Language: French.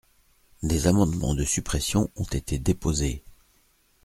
Des amendements de suppression ont été déposés.